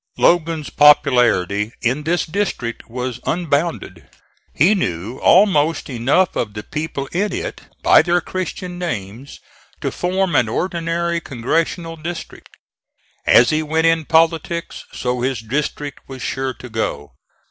Logan's popularity in this district was unbounded. He knew almost enough of the people in it by their Christian names, to form an ordinary congressional district. As he went in politics, so his district was sure to go.